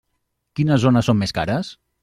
Quines zones són més cares?